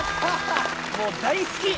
もう大好き！